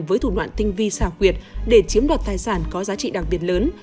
với thủ đoạn tinh vi xảo quyệt để chiếm đoạt tài sản có giá trị đặc biệt lớn